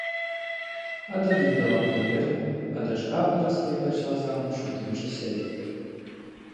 А тады ўдава памерла, а дачка вырасла і пайшла замуж у тым жа сяле.